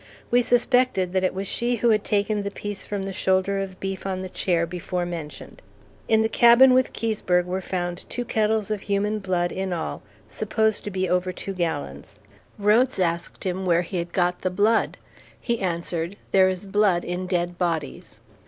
We suspected that it was she who had taken the piece from the shoulder of beef on the chair before mentioned. In the cabin with Keseberg were found two kettles of human blood, in all, supposed to be over two gallons. Rhodes asked him where he had got the blood. He answered, "There is blood in dead bodies."